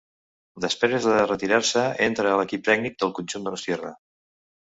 Després de retirar-se entra a l'equip tècnic del conjunt donostiarra.